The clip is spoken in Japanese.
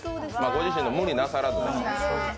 御自身で、無理なさらず。